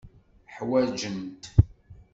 Ḥwajen-t.